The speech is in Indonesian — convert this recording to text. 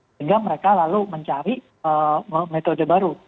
sehingga mereka lalu mencari metode baru